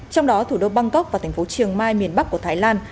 trong đó thủ đô bangkok và thành phố chiều mai miền bắc của thái lan